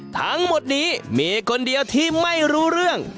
ทั้งหมดนี้มีคนเดียวที่ไม่รู้เรื่อง